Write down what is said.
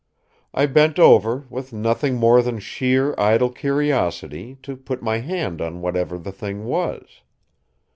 I bent over, with nothing more than sheer idle curiosity, to put my hand on whatever the thing was.